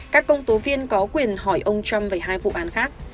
các công tố viên có quyền hỏi ông trump về hai vụ án khác